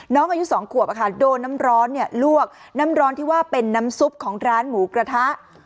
น้องอายุ๒ขวบโดนน้ำร้อนลวกน้ำร้อนที่ว่าเป็นน้ำซุปของร้านหมูกระทะ